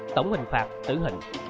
tổng hình phạt tử hình